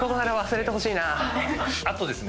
あとですね